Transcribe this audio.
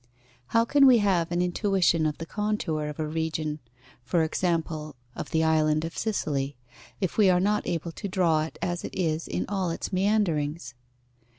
How can we have an intuition of the contour of a region, for example, of the island of Sicily, if we are not able to draw it as it is in all its meanderings?